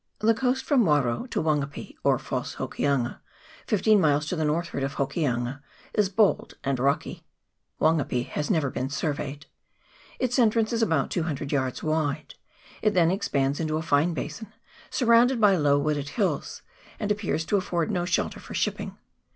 The coast from Waro to Wangape, or False Hokianga, fifteen miles to the northward of Hokianga, is bold and rocky. Wan gape has never been surveyed. Its entrance is about 200 yards wide ; it then expands into a fine basin, surrounded by low wooded hills, and appears to afford no shelter for shipping.